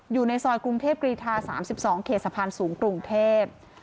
อยู่ในซอยกรุงเทพกรีธา๓๒เขตสะพานสูงกรุงเทพ